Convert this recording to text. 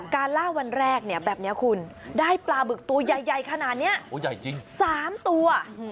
การล่าวันแรกเนี่ยแบบนี้คุณได้ปลาบึกตัวใหญ่ขนาดนี้๓ตัว